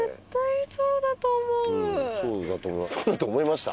そうだとそうだと思いました？